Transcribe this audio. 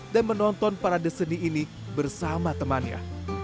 dan menonton parade seni ini bersama temannya